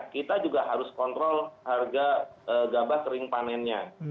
kita juga harus kontrol harga gabah sering panennya